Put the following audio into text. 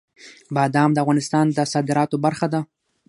بادام د افغانستان د صادراتو برخه ده.